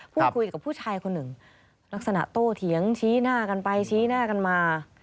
พูดคุยกับผู้ชายคนหนึ่งลักษณะโตเถียงชี้หน้ากันไปชี้หน้ากันมา